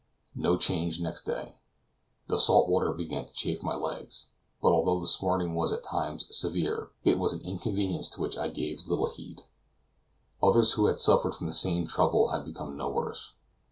No change next day. The salt water began to chafe my legs, but although the smarting was at times severe, it was an inconvenience to which I gave little heed; others who had suffered from the same trouble had become no worse.